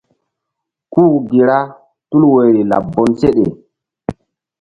́U gi ra tul woyri laɓ bonseɗe.